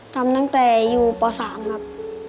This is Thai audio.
ทำตั้งแต่ปี๓ครับ